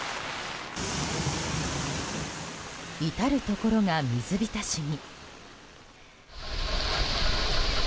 至るところが水浸しに。